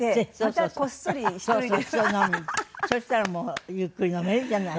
そしたらもうゆっくり飲めるじゃない。